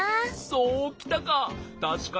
そうきたか！